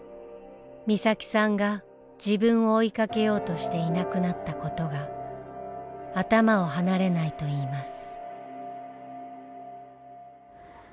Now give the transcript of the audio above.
美咲さんが自分を追いかけようとしていなくなったことが頭を離れないといいます。